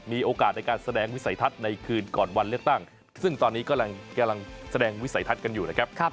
มีโอกาสในการแสดงวิสัยทัศน์ในคืนก่อนวันเลือกตั้งซึ่งตอนนี้กำลังแสดงวิสัยทัศน์กันอยู่นะครับ